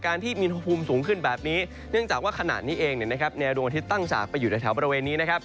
ที่มีอุณหภูมิสูงขึ้นแบบนี้เนื่องจากว่าขณะนี้เองแนวดวงอาทิตย์ตั้งฉากไปอยู่ในแถวบริเวณนี้นะครับ